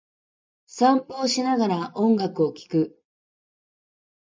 散歩をしながら、音楽を聴く。